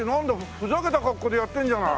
ふざけた格好でやってるんじゃない。